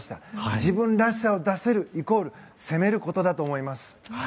自分らしさを出せるイコール攻めることだと思います。